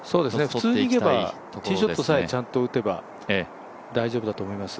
普通にいけばティーショットさえちゃんと打てば大丈夫だと思います。